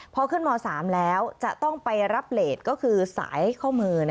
พอขึ้นม๓แล้วจะต้องไปรับเลสก็คือสายข้อมือ